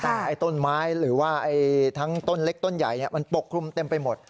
แต่ไอ้ต้นไม้หรือว่าทั้งต้นเล็กต้นใหญ่มันปกคลุมเต็มไปหมด